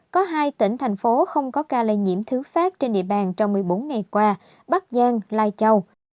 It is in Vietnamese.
có hai tỉnh thành phố không có ca lây nhiễm thứ phát trên địa bàn trong một mươi bốn ngày qua bắc giang lai châu